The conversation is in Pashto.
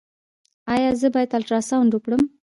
ایا زه باید الټراساونډ وکړم؟